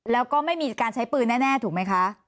แล้วก็ไม่มีการใช้ปืนแน่ถูกไหมคะ